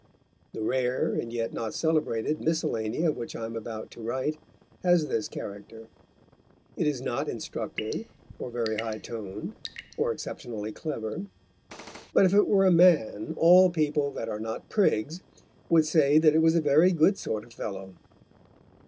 The rare, and yet not celebrated, miscellany of which I am about to write has this character. It is not instructive, or very high toned, or exceptionally clever, but if it were a man, all people that are not prigs would say that it was a very good sort of fellow.